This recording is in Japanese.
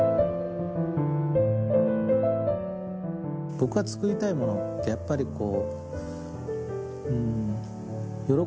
僕が作りたいものってやっぱりこう。